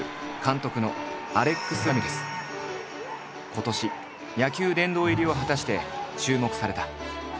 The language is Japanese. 今年野球殿堂入りを果たして注目された。